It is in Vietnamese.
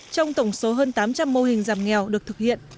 trong tổng số hơn tám trăm linh mô hình giảm nghèo được thực hiện